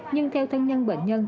nhưng theo thân nhân bệnh nhân